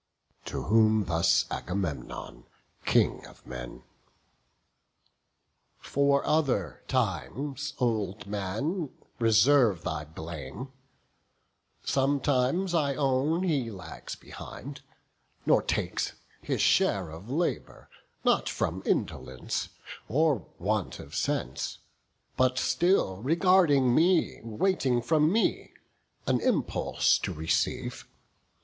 To whom thus Agamemnon, King of men: "For other times, old man, reserve thy blame; Sometimes, I own, he lags behind, nor takes His share of labour; not from indolence, Or want of sense; but still regarding me; Waiting from me an impulse to receive.